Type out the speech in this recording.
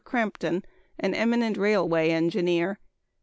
Crampton, an eminent railway engineer.